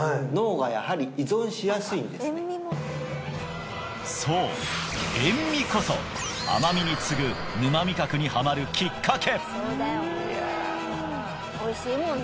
はいそう塩味こそ甘味に次ぐ沼味覚にハマるきっかけ